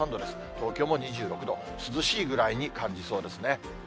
東京も２６度、涼しいぐらいに感じそうですね。